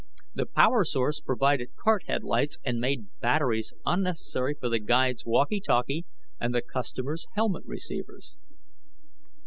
The power source provided cart headlights, and made batteries unnecessary for the guide's walkie talkie and the customers' helmet receivers.